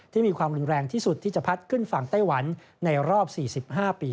มีความรุนแรงที่สุดที่จะพัดขึ้นฝั่งไต้หวันในรอบ๔๕ปี